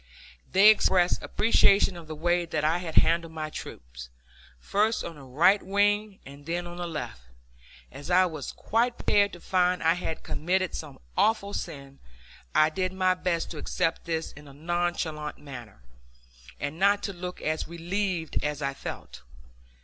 They expressed appreciation of the way that I had handled my troops, first on the right wing and then on the left! As I was quite prepared to find I had committed some awful sin, I did my best to accept this in a nonchalant manner, and not to look as relieved as I felt.